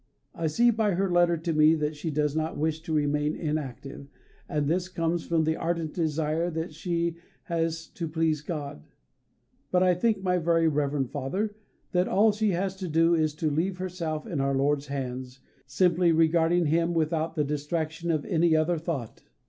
I see by her letter to me that she does not wish to remain inactive, and this comes from the ardent desire that she has to please God. But I think, my Rev. Father, that all she has to do is to leave herself in Our Lord's hands, simply regarding Him without the distraction of any other thought.